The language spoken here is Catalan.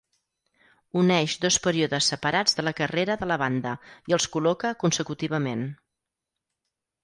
Uneix dos períodes separats de la carrera de la banda i els col·loca consecutivament.